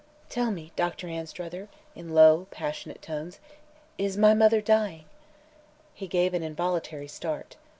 "Tell me, Doctor Anstruther," in low, passionate tones, "is my mother dying?" He gave an involuntary start.